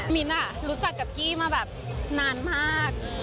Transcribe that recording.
รู้จักกับกี้มาแบบนานมาก